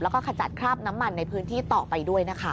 แล้วก็ขจัดคราบน้ำมันในพื้นที่ต่อไปด้วยนะคะ